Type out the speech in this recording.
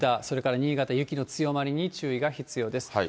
それから新潟、雪の強まりに注意が必要です。